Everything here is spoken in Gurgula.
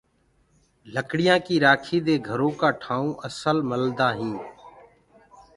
لڙيآ ڪي رآکي دي گھرو ڪآ ٺآئونٚ اسل ملدآ هينٚ۔